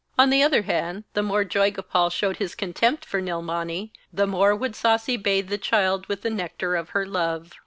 On the other hand, the more Joygopal showed his contempt for Nilmani, the more would Sasi bathe the child with the nectar of her love.